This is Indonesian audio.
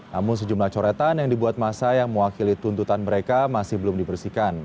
namun sejumlah coretan yang dibuat masa yang mewakili tuntutan mereka masih belum dibersihkan